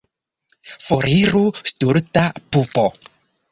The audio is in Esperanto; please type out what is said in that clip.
Foriru, stulta pupo!